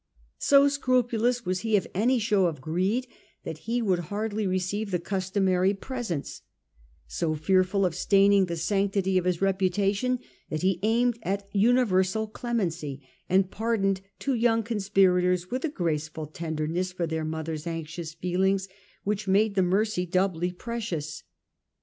So scrupulous was he of any show of greed that he would hardly receive the customary presents; so fearful of staining the sanctity of his reputation that he aimed at universal clemency, and pardoned two young conspirators with a graceful ten derness for their mother^s anxious feelings, which made the mercy doubly precious.